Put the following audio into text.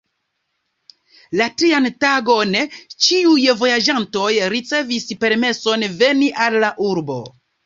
La trian tagon ĉiuj vojaĝantoj ricevis permeson veni al la urbo.